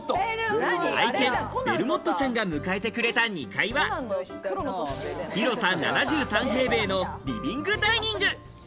愛犬ベルモットちゃんが迎えてくれた２階は広さ７３平米のリビングダイニング。